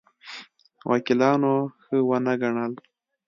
وکیلانو ښه ونه ګڼل.